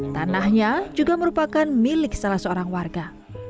tanahnya juga merupakan milik salah seorang warga